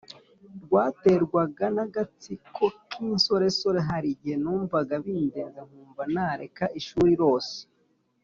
rwaterwaga n agatsiko k insoresore Hari igihe numvaga bindenze nkumva nareka ishuri Rose